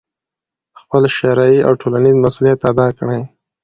خپل شرعي او ټولنیز مسؤلیت ادا کړي،